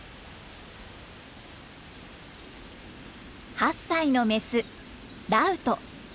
８歳のメスラウト。